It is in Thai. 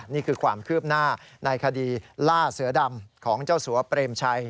นี่คือความคืบหน้าในคดีล่าเสือดำของเจ้าสัวเปรมชัย